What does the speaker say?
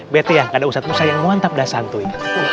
bete ya gak ada ustadz musa yang mantap dah santuy